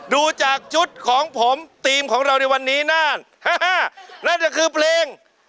ดูจากชุดของผมทีมของเราในวันนี้นั่นก็คือเพลง